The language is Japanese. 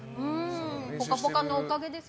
「ぽかぽか」のおかげです